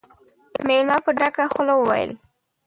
مېلمه په ډکه خوله وويل: